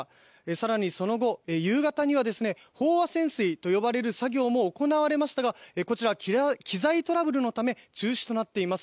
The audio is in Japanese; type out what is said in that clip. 更にその後夕方には飽和潜水と呼ばれる作業も行われましたがこちらは機材トラブルのため中止となっています。